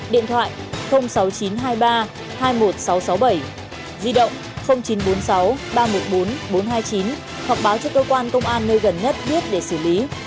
điện thoại sáu nghìn chín trăm hai mươi ba hai mươi một nghìn sáu trăm sáu mươi bảy di động chín trăm bốn mươi sáu ba trăm một mươi bốn bốn trăm hai mươi chín hoặc báo cho cơ quan công an nơi gần nhất biết để xử lý